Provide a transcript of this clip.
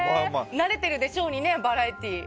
慣れてるでしょうしねバラエティー。